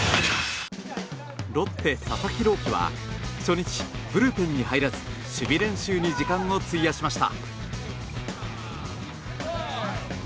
ロッテ佐々木朗希は初日ブルペンに入らず、守備練習に時間を費やしました。